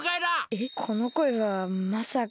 えっこのこえはまさか。